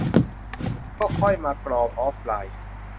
ก็ค่อยมากรองออฟไลน์